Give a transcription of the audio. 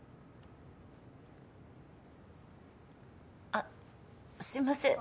あすいません。